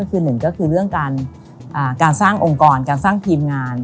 ก็คือเรื่องการสร้างองค์กรการสร้างทีมงาน